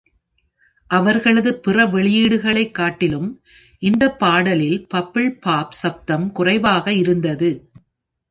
அவர்களது பிற வெளியீடுகளைக் காட்டிலும் இந்தப் பாடலில் “பப்பிள் பாப்” சப்தம் குறைவாக இருந்தது.